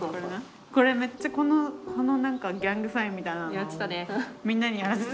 これめっちゃこの何かギャングサインみたいなのみんなにやらせてた。